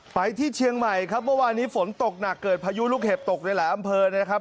ไปที่เชียงใหม่ครับเมื่อวานนี้ฝนตกหนักเกิดพายุลูกเห็บตกในหลายอำเภอนะครับ